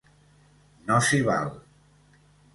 No s'hi val.